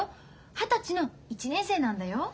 二十歳の１年生なんだよ。